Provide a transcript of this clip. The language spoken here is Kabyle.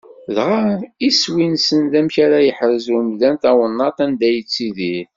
Dɣa iswi-nsen d amek ara yeḥrez umdan tawennaḍt anda yettidir.